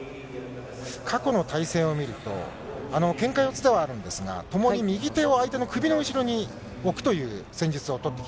過去の対戦を見ると、けんか四つではあるんですが、ともに右手を相手の首の後ろに置そうですね。